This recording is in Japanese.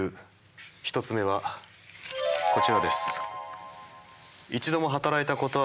１つ目はこちらです。